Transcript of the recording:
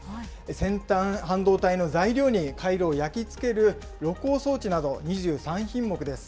先端半導体の材料に回路を焼き付ける露光装置など２３品目です。